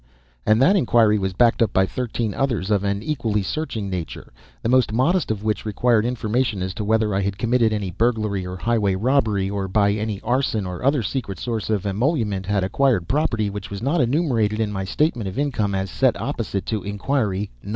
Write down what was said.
And that inquiry was backed up by thirteen others of an equally searching nature, the most modest of which required information as to whether I had committed any burglary or highway robbery, or, by any arson or other secret source of emolument had acquired property which was not enumerated in my statement of income as set opposite to inquiry No.